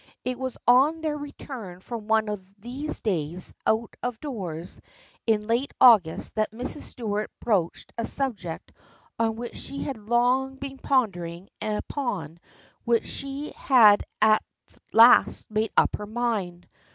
It was on their return from one of these days out of doors in late August that Mrs. Stuart broached a subject on which she had long been pondering and upon which she had at last made up her mind.